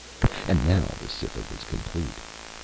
And now the Cytha was complete.